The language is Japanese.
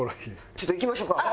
ちょっといきましょうか。